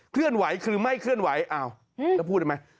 เคลื่อนไหวคือไม่เคลื่อนไหวอ้าวแล้วพูดทำไม